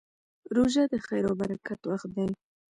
روژه د خیر او برکت وخت دی.